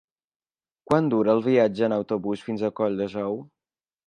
Quant dura el viatge en autobús fins a Colldejou?